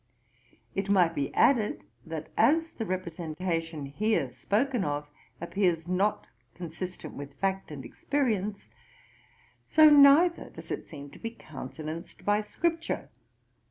It might be added that as the representation here spoken of, appears not consistent with fact and experience, so neither does it seem to be countenanced by Scripture.